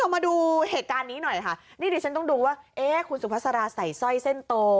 มาดูเหตุการณ์นี้หน่อยค่ะนี่ดิฉันต้องดูว่าเอ๊ะคุณสุภาษาใส่สร้อยเส้นโต